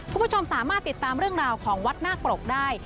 คุณผู้ชมสามารถติดตามเรื่องราวของวัดนาคปรกได้